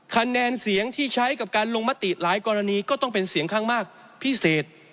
คะแนนเสียงที่ใช้กับการลงมติหลายกรณีก็ต้องเป็นเสียงข้างมากพิเศษ